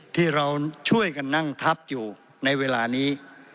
ที่เราช่วยกันนั่งทับอยู่ในเวลานี้